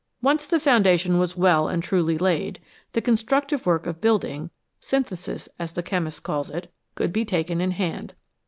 Once the foundation was well and truly laid, the constructive work of building synthesis, as the chemist calls it could be taken in hand.